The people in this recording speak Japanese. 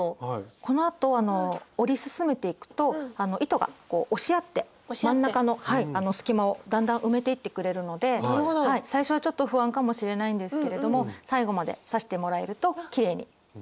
このあと織り進めていくと糸がこう押し合って真ん中の隙間をだんだん埋めていってくれるので最初はちょっと不安かもしれないんですけれども最後まで刺してもらえるときれいにまとまります。